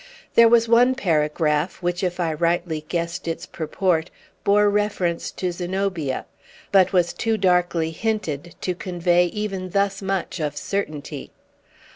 There was one paragraph, which if I rightly guessed its purport bore reference to Zenobia, but was too darkly hinted to convey even thus much of certainty.